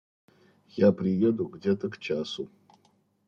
Я приеду где-то к часу.